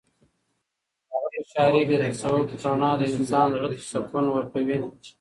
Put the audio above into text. د هغه په شاعرۍ کې د تصوف رڼا د انسان زړه ته سکون ورکوي.